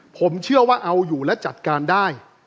ผมเชื่อว่าเอาอยู่และจัดการได้